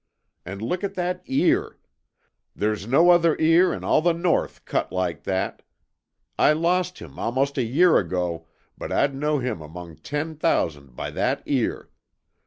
And look at that ear. There's no other ear in all the north cut like that. I lost him almost a year ago, but I'd know him among ten thousand by that ear.